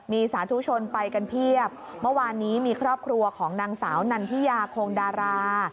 มีสาธุชนไปกันเพียบเมื่อวานนี้มีครอบครัวของนางสาวนันทิยาโคงดารา